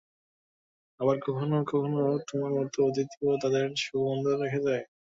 আবার কখনও কখনও তোমার মতো অতিথিও তাদের সুগন্ধ রেখে যায়।